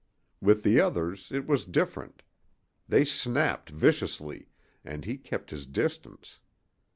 With the others it was different. They snapped viciously, and he kept his distance.